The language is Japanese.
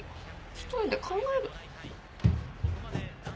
一人で考える。